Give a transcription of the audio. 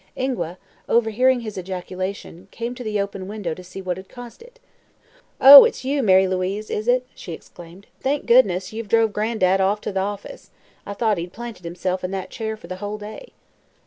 Ingua, overhearing his ejaculation, came to the open window to see what had caused it. "Oh, it's you, Mary Louise, is it?" she exclaimed. "Thank goodness, you've drove Gran'dad off to the office. I thought he'd planted himself in that chair for the whole day."